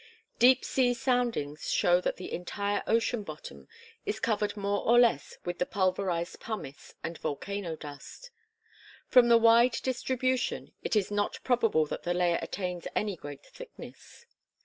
Deep sea soundings show that the entire ocean bottom is covered more or less with the pulverized pumice and volcanic dust. From the wide distribution it is not probable that the layer attains any great thickness.